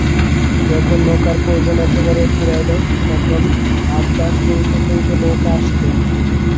যখন নৌকার প্রয়োজন একেবারে ফুরাইল তখন হাঁকডাক করিতে করিতে নৌকা আসিল।